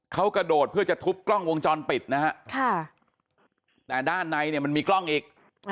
เขากระโดดเพื่อจะทุบกล้องวงจรปิดนะฮะแต่ด้านในเนี่ยมันมีกล้องอีก